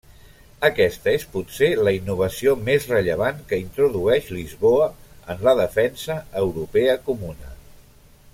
Aquesta és potser la innovació més rellevant que introdueix Lisboa en la defensa europea comuna.